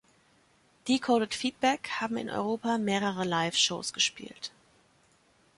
Decoded Feedback haben in Europa mehrere Liveshows gespielt.